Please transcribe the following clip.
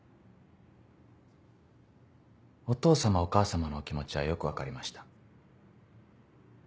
お父様お母様のお気持ちはよく分かりました。